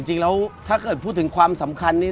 จริงแล้วถ้าเกิดพูดถึงความสำคัญนี้